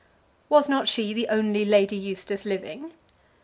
Was not she the only Lady Eustace living?